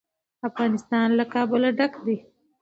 افغانستان له کابل ډک دی.